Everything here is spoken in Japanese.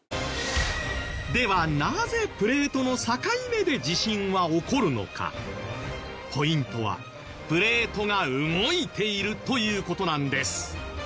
ではポイントはプレートが動いているという事なんです。